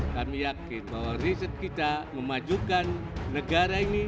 kami yakin bahwa riset kita memajukan negara ini